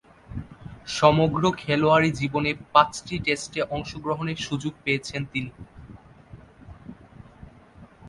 সমগ্র খেলোয়াড়ী জীবনে পাঁচটি টেস্টে অংশগ্রহণের সুযোগ পেয়েছেন তিনি।